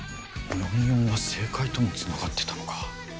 ４４は政界とも繋がってたのか。